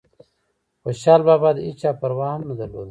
خوشحال بابا دهيچا پروا هم نه درلوده